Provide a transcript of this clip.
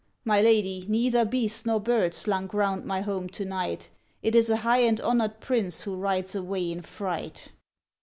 loves him '^y ^^'^V' neither beast nor bird slunk round my =^'°"« home to night ; It is a high and honoured prince who rides away in fright.'